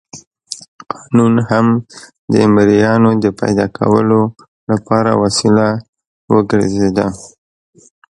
قانون هم د مریانو د پیدا کولو لپاره وسیله وګرځېده.